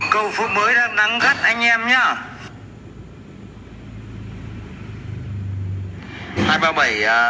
cầu phố mới đang nắng gắt anh em nhé